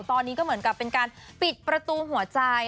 ตอนนี้ก็เหมือนกับเป็นการปิดประตูหัวใจ